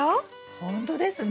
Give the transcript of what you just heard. ほんとですね。